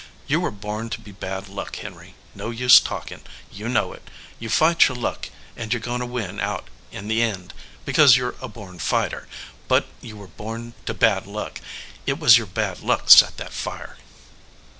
You were born to bad luck, Henry. No use talkin ; you know it. You fight your luck and you re goin to win out in the end, because you re a born fighter, but you were born to bad luck. It was your bad luck set that fire."